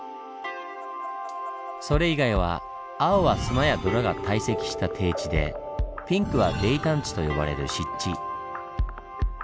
それ以外は青は砂や泥が堆積した低地でピンクは「泥炭地」と呼ばれる湿地。